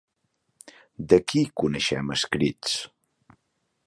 De qui coneixem escrits?